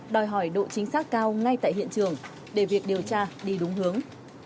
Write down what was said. đòi hỏi độ chính xác cao ngay tại hiện trường để việc điều tra đi đúng hướng